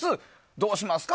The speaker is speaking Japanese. どうしますか？